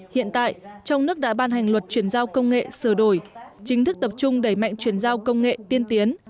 hiện tại trong nước đã ban hành luật chuyển giao công nghệ sửa đổi chính thức tập trung đẩy mạnh chuyển giao công nghệ tiên tiến